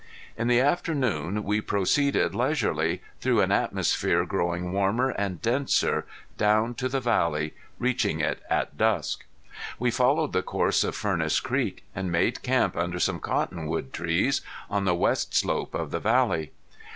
In the afternoon we proceeded leisurely, through an atmosphere growing warmer and denser, down to the valley, reaching it at dusk. We followed the course of Furnace Creek and made camp under some cottonwood trees, on the west slope of the valley.